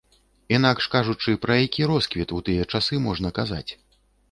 Інакш кажучы, пра які росквіт у тыя часы можна казаць?